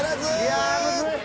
いやむずい。